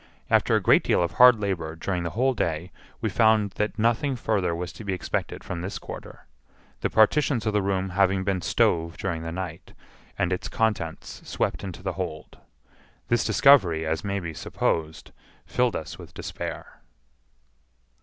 After a great deal of hard labor during the whole day, we found that nothing further was to be expected from this quarter, the partitions of the room having been stove during the night, and its contents swept into the hold. This discovery, as may be supposed, filled us with despair.